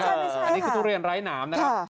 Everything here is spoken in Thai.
ไม่ใช่ค่ะค่ะอันนี้คือทุเรียนไร้หนามนะครับ